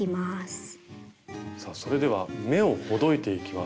さあそれでは目をほどいていきます。